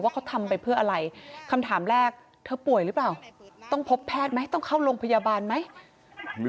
เขาทำไปเพื่ออะไรคำถามแรกเธอป่วยหรือเปล่าต้องพบแพทย์ไหมต้องเข้าโรงพยาบาลไหม